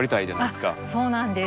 そうなんです。